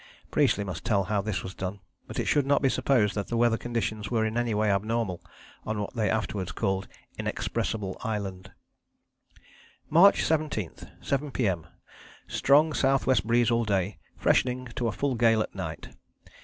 Priestley must tell how this was done, but it should not be supposed that the weather conditions were in any way abnormal on what they afterwards called Inexpressible Island: "March 17. 7 P.M. Strong south west breeze all day, freshening to a full gale at night.